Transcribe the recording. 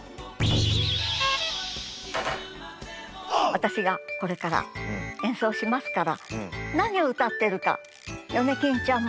私がこれから演奏しますから何を歌ってるかヨネキンちゃんも当ててね。